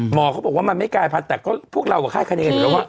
หมอก็บอกว่ามันไม่กลายพันธุ์แต่พวกเราก็ค่ายคาดเงินอยู่แล้วว่า